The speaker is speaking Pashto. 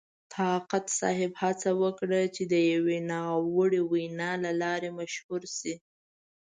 طاقت صاحب هڅه وکړه چې د یوې ناوړې وینا له لارې مشهور شي.